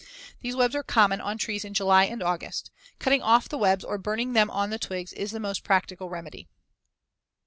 These webs are common on trees in July and August. Cutting off the webs or burning them on the twigs is the most practical remedy.